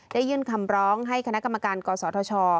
ยื่นคำร้องให้คณะกรรมการกศธช